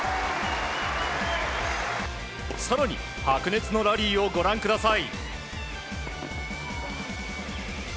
更に白熱のラリーをご覧ください。